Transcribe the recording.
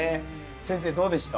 先生どうでした？